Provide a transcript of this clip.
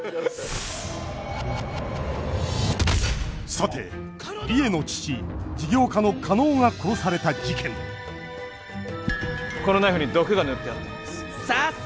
さて梨江の父事業家の加納が殺された事件このナイフに毒が塗ってあったんです。